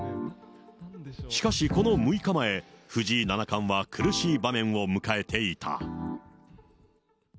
しかしこの６日前、藤井七冠は苦しい場面を迎えていた。